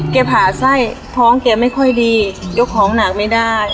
ผ่าไส้ท้องแกไม่ค่อยดียกของหนักไม่ได้